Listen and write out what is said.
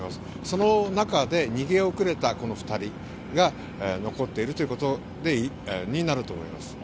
その中で逃げ遅れた２人が残っているということになると思います。